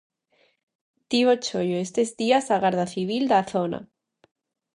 Tivo choio estes días a Garda Civil da zona.